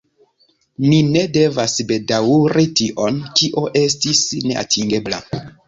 Ni ne devas bedaŭri tion, kio estis neatingebla.